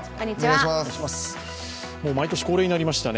毎年恒例になりましたね。